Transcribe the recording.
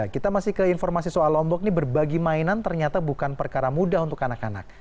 kita masih ke informasi soal lombok ini berbagi mainan ternyata bukan perkara mudah untuk anak anak